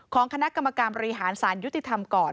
ของคณะกรรมการบริหารสารยุติธรรมก่อน